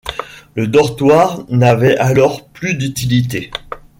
Le dortoir n'avait alors plus d'utilité.